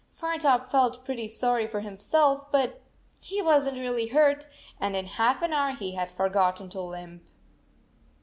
Firetop felt pretty sorry for himself, but he was n t really hurt, and in half an hour he had forgotten to limp.